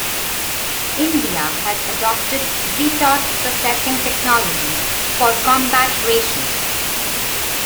India has adopted retort processing technology for combat rations.